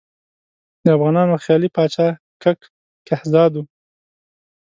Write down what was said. د افغانانو خیالي پاچا کک کهزاد وو.